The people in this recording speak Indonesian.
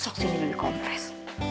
sok sini bibi kompres